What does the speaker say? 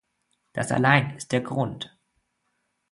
Das allein ist der Grund.